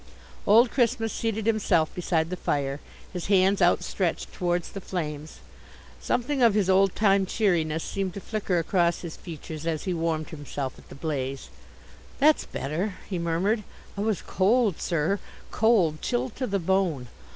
Old Christmas seated himself beside the fire, his hands outstretched towards the flames. Something of his old time cheeriness seemed to flicker across his features as he warmed himself at the blaze. "That's better," he murmured. "I was cold, sir, cold, chilled to the bone.